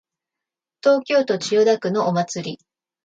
東京都千代田区のお祭り